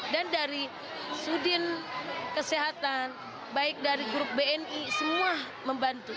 dan dari sudin kesehatan baik dari grup bni semua membantu